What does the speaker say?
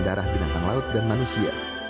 darah binatang laut dan manusia